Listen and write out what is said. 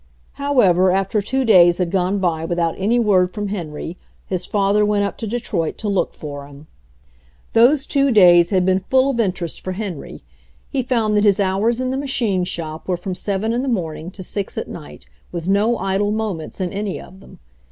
However, after two days had gone by without any word from Henry his father went up to De troit to look for him. Those two days had been full of interest for 20 AN EXACTING ROUTINE 21 Heniy. He found that his hours in the machine shop were from seven in the morning to six at night, with no idle moments in any of them.